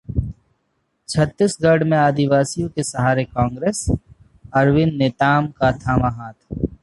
छत्तीसगढ़ में आदिवासियों के सहारे कांग्रेस, अरविंद नेताम का थामा हाथ